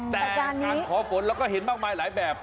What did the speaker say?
แต่การขอฝนเราก็เห็นมากมายหลายแบบ